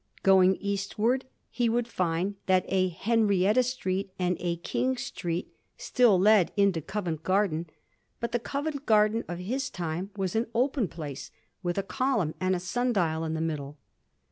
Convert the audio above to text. Going east ward, he would find that a Henrietta Street and a King Street still led into Covent Garden ; but the Covent Garden of his time was an open place with a column and a sun dial in the middle.